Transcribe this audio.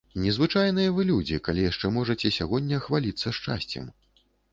Незвычайныя вы людзі, калі яшчэ можаце сягоння хваліцца шчасцем.